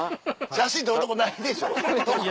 写真撮るとこないでしょ。